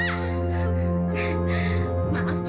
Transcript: leha cepet banget ya